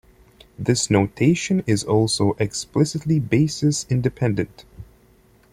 This notation is also explicitly basis-independent.